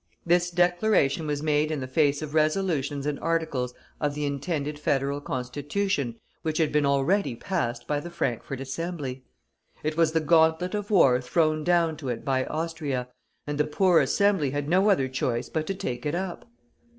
This declaration was made in the face of resolutions and articles of the intended Federal Constitution which had been already passed by the Frankfort Assembly. It was the gauntlet of war thrown down to it by Austria, and the poor Assembly had no other choice but to take it up.